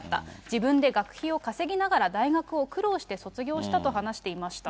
自分で学費を稼ぎながら大学を苦労して卒業したと話していました。